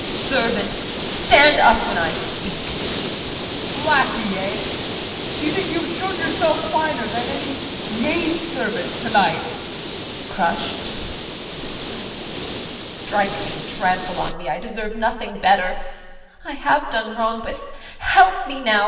Servant! Stand up when I speak. JEAN. Don't you dare to moralize to me. Lackey, eh! Do you think you have shown yourself finer than any maid servant tonight? JULIE [Crushed]. That is right, strike me, trample on me, I deserve nothing better. I have done wrong, but help me now.